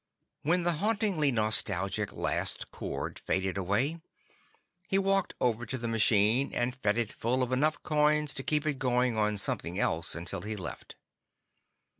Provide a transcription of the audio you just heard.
_ When the hauntingly nostalgic last chorus faded away, he walked over to the machine and fed it full of enough coins to keep it going on something else until he left.